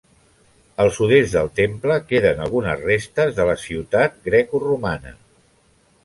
Al sud-est del temple queden algunes restes de la ciutat grecoromana.